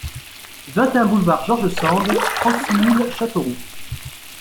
vingt et un boulevard George Sand, trente-six mille Châteauroux